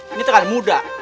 ini tekanan muda